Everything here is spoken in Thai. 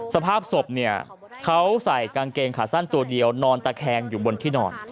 สภาพศพเนี่ยเขาใส่กางเกงขาสั้นตัวเดียวนอนตะแคงอยู่บนที่นอน